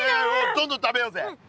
どんどん食べようぜ。